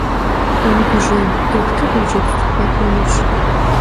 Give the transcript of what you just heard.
Vumıgujey, doxutır yicıpstu khek'uenuş.